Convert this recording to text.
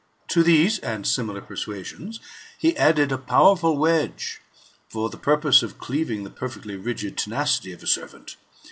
To these and similar per suasions, he added a powerful wedge, for the purpose of cleaving the perfectly rigid tenacity of a servant.